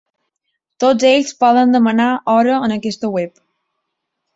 Tots ells poden demanar hora en aquesta web.